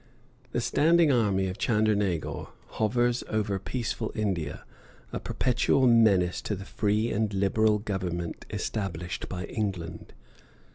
The standing army of Chandernagor hovers over peaceful India, a perpetual menace to the free and liberal government established by England.